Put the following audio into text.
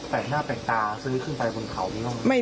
แปลกหน้าแปลกตาซื้อขึ้นไปบนเขาไม่ต้องไหม